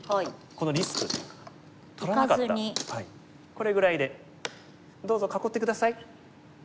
これぐらいで「どうぞ囲って下さい」。